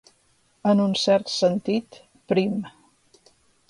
En un cert sentit, prim.